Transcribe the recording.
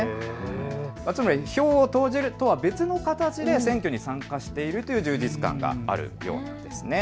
つまり票を投じるとは別の形で選挙に参加しているという充実感があるようなんです。